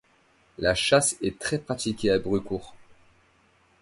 La chasse est très pratiquée à Brucourt.